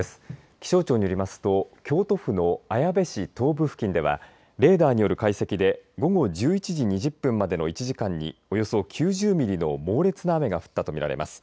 気象庁によりますと京都府の綾部市東部付近ではレーダーによる解析で午後１１時２０分までの１時間におよそ９０ミリの猛烈な雨が降ったと見られます。